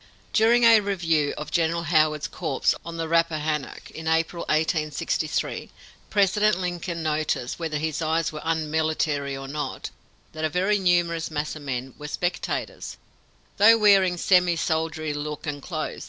During a review of General Howard's corps on the Rappahannock, in April, 1863, President Lincoln noticed, whether his eyes were "unmilitary or not," that a very numerous mass of men were spectators, though wearing a semisoldierly look and clothes.